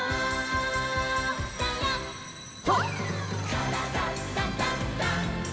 「からだダンダンダン」